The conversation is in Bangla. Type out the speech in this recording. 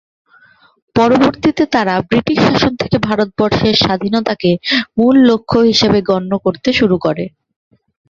পরবর্তীতে তারা ব্রিটিশ শাসন থেকে ভারতবর্ষের স্বাধীনতাকে মূল লক্ষ্য হিসেবে গণ্য করতে শুরু করে।